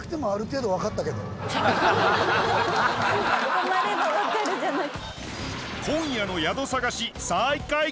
『泊まればわかる！』じゃなく。